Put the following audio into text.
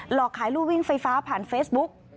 หลอกขายรูวิ่งไฟฟ้าผ่านเฟซบุ๊ก